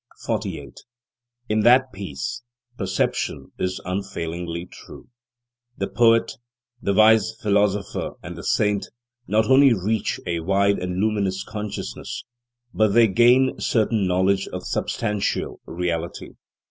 48. In that peace, perception is unfailingly true. The poet, the wise philosopher and the saint not only reach a wide and luminous consciousness, but they gain certain knowledge of substantial reality.